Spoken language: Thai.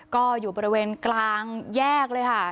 ก็อยู่บริเวณกลางแยกเลยค่ะ